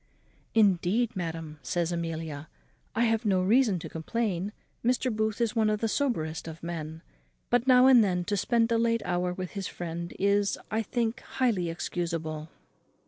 "Indeed, madam," says Amelia, "I have no reason to complain; Mr. Booth is one of the soberest of men; but now and then to spend a late hour with his friend is, I think, highly excusable."